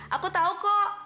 aku tahu kok